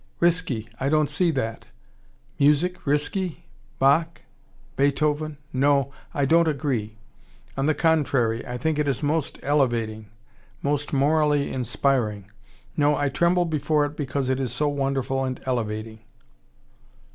"Risky! I don't see that! Music risky? Bach? Beethoven! No, I don't agree. On the contrary, I think it is most elevating most morally inspiring. No, I tremble before it because it is so wonderful and elevating."